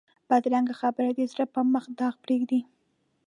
بدرنګه خبرې د زړه پر مخ داغ پرېږدي